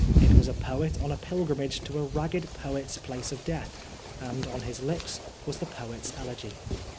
It was a poet on a pilgrimage to a ragged poet's place of death, and on his lips was the poet's elegy.